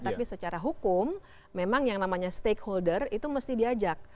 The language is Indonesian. tapi secara hukum memang yang namanya stakeholder itu mesti diajak